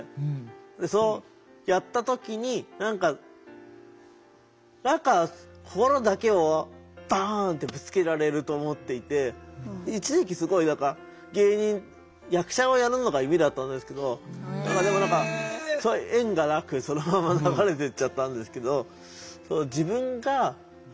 でやった時に何か何かと思っていて一時期すごい何か芸人役者をやるのが夢だったんですけどでも何か縁がなくそのまま流れてっちゃったんですけど。